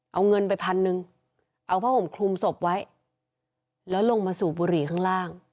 เอาเงินไปพันหนึ่งเอาผ้าห่มคลุมศพไว้แล้วลงมาสูบบุหรี่ข้างล่าง